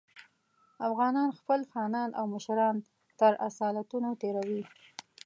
افغانان خپل خانان او مشران تر اصالتونو تېروي.